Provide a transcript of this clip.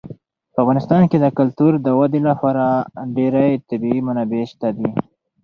په افغانستان کې د کلتور د ودې لپاره ډېرې طبیعي منابع شته دي.